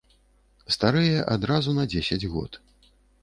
Старэе адразу на дзесяць год.